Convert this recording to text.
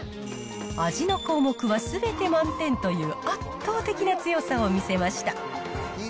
味の項目はすべて満点という、圧倒的な強さを見せました。